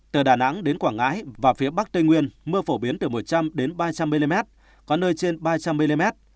từ đà nẵng đến quảng ngãi và phía bắc tây nguyên mưa phổ biến từ một trăm linh ba trăm linh mm có nơi trên ba trăm linh mm